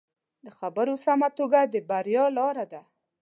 د خبرو سمه توګه د بریا لاره ده